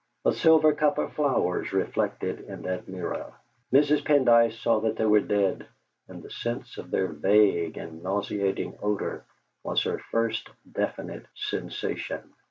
A silver cup of flowers was reflected in that mirror. Mrs. Pendyce saw that they were dead, and the sense of their vague and nauseating odour was her first definite sensation.